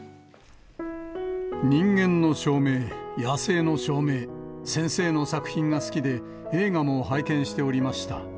人間の証明、野性の証明、先生の作品が好きで、映画も拝見しておりました。